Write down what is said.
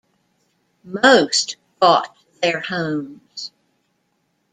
Most bought their homes.